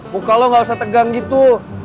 buka lo gak usah tegang gitu